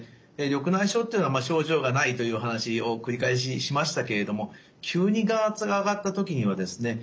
緑内障っていうのは症状がないという話を繰り返ししましたけれども急に眼圧が上がった時にはですね